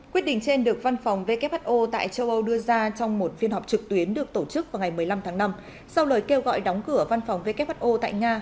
quyết định trên được văn phòng who tại châu âu đưa ra trong một phiên họp trực tuyến được tổ chức vào ngày một mươi năm tháng năm sau lời kêu gọi đóng cửa văn phòng who tại nga